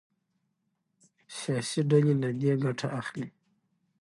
سياسي ډلې له دې ګټه اخلي.